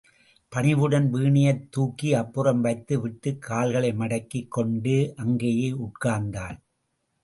பணிவுடன், வீணையைத் தூக்கி அப்புறம் வைத்து விட்டுக் கால்களை மடக்கிக் கொண்டு அங்கேயே உட்கார்ந்தாள்.